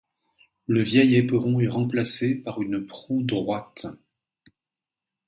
Le vieil éperon est remplacé par une proue droite.